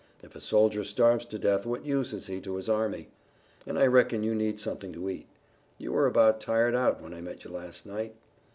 If a soldier starves to death what use is he to his army? And I reckon you need something to eat. You were about tired out when I met you last night."